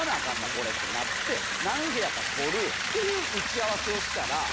これってなって何部屋かとるっていう打ち合わせをしたら。